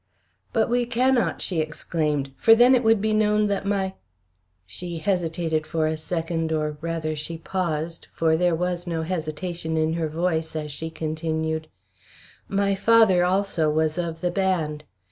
"But we cannot," she exclaimed, "for then it would be known that my" she hesitated for a second, or rather she paused, for there was no hesitation in her voice, as she continued "my father also was of the band.